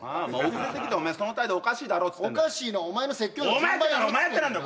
遅れてきたお前がその態度おかしいだろっつってんだよおかしいのはお前の説教お前って何だお前って何だ